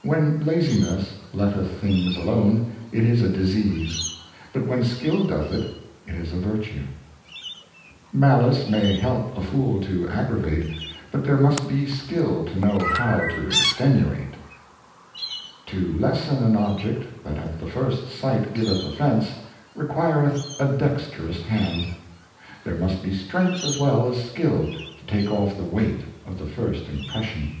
When Laziness letteth things alone, it is a Disease; but when Skill doth it, it is a Vertue. Malice may help a Fool to aggravate, but there must be Skill to know how to extenuate. To lessen an Object that at the first Sight giveth Offence, requireth a dexterous Hand : There must be Strength as well as Skill to take off the Weight of the first Impression.